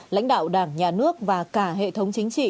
lãnh đạo đảng nhà nước và cả hệ thống chính trị